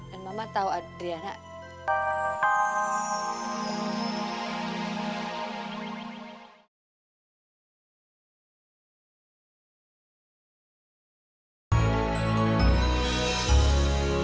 dan mama tau adriana